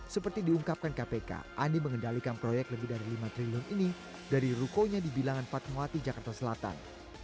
seperti diungkapkan kpk ani mengendalikan proyek lebih dari lima triliun ini dari rukonya di bilangan fatmawati jakarta selatan